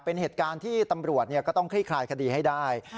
เป็นเหตุการณ์ที่ตำรวจก็ต้องคลี่คลายคดีให้ได้